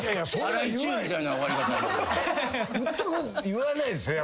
言わないですね